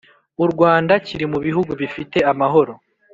u rwanda kiri mu bihugu bifite amahoro